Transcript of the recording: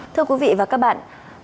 thưa quý vị và các bạn